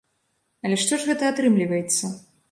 Але што ж гэта атрымліваецца?